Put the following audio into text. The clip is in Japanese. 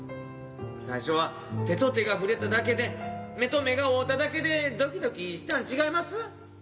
最初は手と手が触れただけで目と目が合うただけでドキドキしたんちがいます？